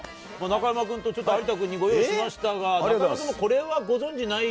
中山君と有田君にご用意しましたが、これはご存じない？